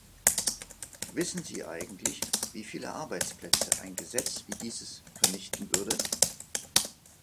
Wissen Sie eigentlich, wie viele Arbeitsplätze ein Gesetz wie dieses vernichten würde?